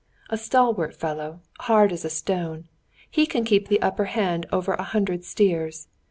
A stalwart fellow, hard as a stone; he can keep the upper hand over a hundred steers.